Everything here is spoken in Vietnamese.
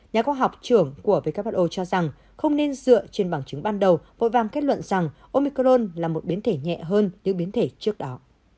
nhà khoa học trưởng của who cho rằng không nên dựa trên bằng chứng ban đầu vội vàng kết luận rằng omicron là một biến thể nhẹ hơn những biến thể trước đó